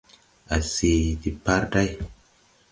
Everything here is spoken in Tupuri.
A see de parday.